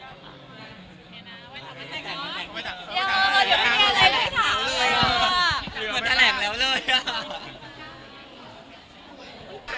ไปไม่ได้แล้วอะเสร็จ๘รอบอ่ะ